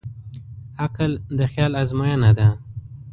عمل د خیال ازموینه ده.